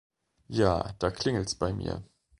Ja, da klingelt's bei mir.